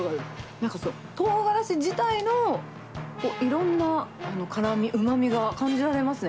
なんかトウガラシ自体のいろんな辛み、うまみが感じられますね。